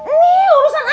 eh eh entar dulu